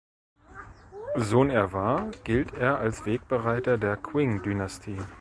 Sohn er war, gilt er als Wegbereiter der Qing-Dynastie.